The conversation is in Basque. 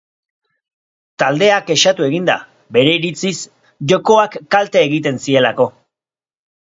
Taldea kexatu egin da, bere iritziz, jokoak kalte egiten zielako.